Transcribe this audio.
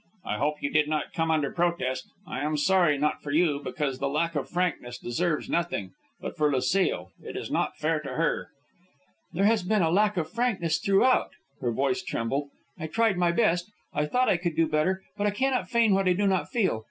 "I hope you did not come under protest. I am sorry, not for you, because lack of frankness deserves nothing, but for Lucile. It is not fair to her." "There has been a lack of frankness throughout." Her voice trembled. "I tried my best, I thought I could do better, but I cannot feign what I do not feel.